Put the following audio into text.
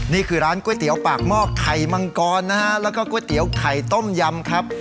นี่คือร้านก๋วยเตี๋ยวปากหม้อไข่มังกรนะฮะแล้วก็ก๋วยเตี๋ยวไข่ต้มยำครับ